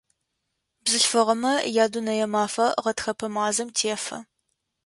Бзылъфыгъэмэ я Дунэе мафэ гъэтхэпэ мазэм тефэ.